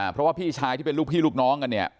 เพราะว่าพี่ชายที่เป็นลูกพี่ลูกน้องกันเนี่ย